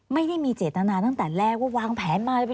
ไม่ได้มีเจตนาตั้งแต่แรกว่าวางแผนมา